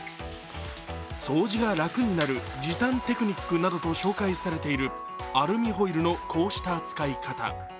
掃除が楽になる時短テクニックなどと紹介されているアルミホイルのこうした使い方